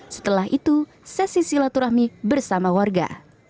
setelah itu sesi silaturahmi bersama warga